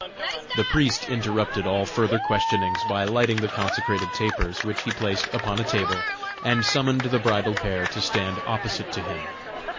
The priest interrupted all further questionings by lighting the consecrated tapers, which he placed upon a table, and summoned the bridal pair to stand opposite to him.